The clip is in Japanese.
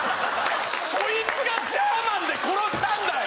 そいつがジャーマンで殺したんだよ！